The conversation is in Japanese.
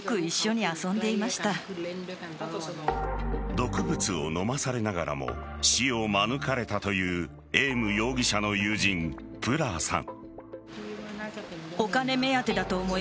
毒物を飲まされながらも死を免れたというエーム容疑者の友人プラーさん。